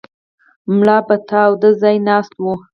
ملا به په تاوده ځای ناست و.